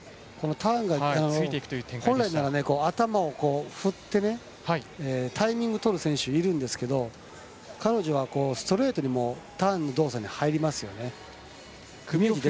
ターンが本来ならば頭を振ってタイミングをとる選手いるんですが彼女はストレートにもターンの動作に入りますよね。